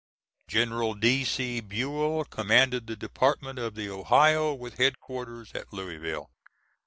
[General D.C. Buell commanded the Department of the Ohio with headquarters at Louisville.